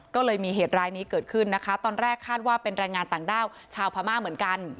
ก็เลยมีเหตุร้ายนี้เกิดขึ้นนะคะตอนแรกคาดว่าเป็นแรงงานต่างด้าวชาวพม่าเหมือนกัน